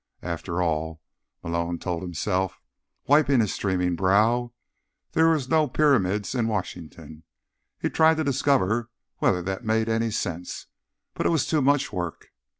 After all, Malone told himself, wiping his streaming brow, there were no Pyramids in Washington. He tried to discover whether that made any sense, but it was too much work.